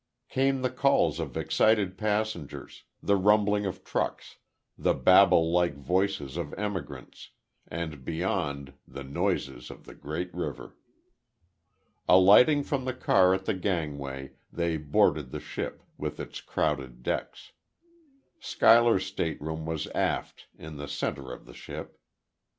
Came the calls of excited passengers, the rumbling of trucks, the Babel like voices of emigrants; and, beyond, the noises of the Great River. Alighting from the car at the gangway, they boarded the ship, with its crowded decks. Schuyler's stateroom was aft, in the center of the ship.